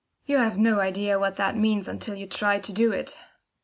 You have no idea what that means until you try to do it.